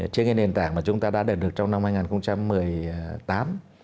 trên cái nền tảng mà chúng ta đã đạt được trong năm hai nghìn một mươi tám